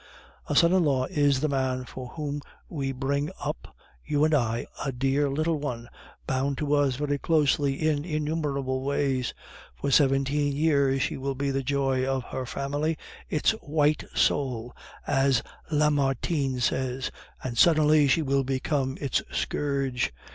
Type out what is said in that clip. A son in law is the man for whom we bring up, you and I, a dear little one, bound to us very closely in innumerable ways; for seventeen years she will be the joy of her family, its 'white soul,' as Lamartine says, and suddenly she will become its scourge.